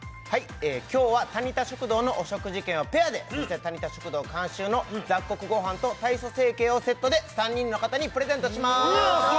今日はタニタ食堂のお食事券をペアでそしてタニタ食堂監修の雑穀ごはんと体組成計をセットで３人の方にプレゼントします